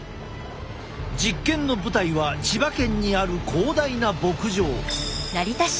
実験の舞台は千葉県にある広大な牧場。